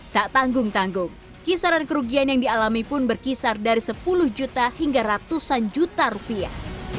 tak tanggung tanggung kisaran kerugian yang dialami pun berkisar dari sepuluh juta hingga ratusan juta rupiah